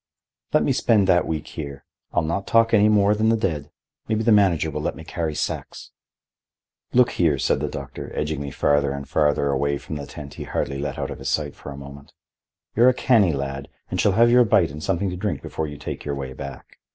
"Let me spend that week here. I'll not talk any more than the dead. Maybe the manager will let me carry sacks." "Look here," said the doctor, edging me farther and farther away from the tent he hardly let out of his sight for a moment. "You're a canny lad, and shall have your bite and something to drink before you take your way back.